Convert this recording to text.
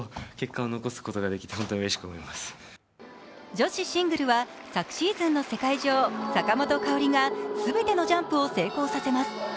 女子シングルは昨シーズンの世界女王・坂本花織が全てのジャンプを成功させます。